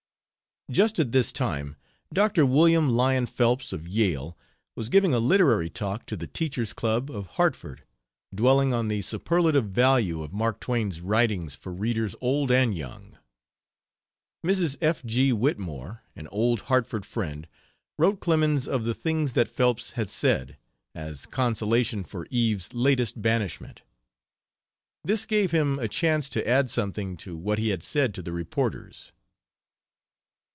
Just at this time, Dr. William Lyon Phelps, of Yale, was giving a literary talk to the Teachers' Club, of Hartford, dwelling on the superlative value of Mark Twain's writings for readers old and young. Mrs. F. G. Whitmore, an old Hartford friend, wrote Clemens of the things that Phelps had said, as consolation for Eve's latest banishment. This gave him a chance to add something to what he had said to the reporters.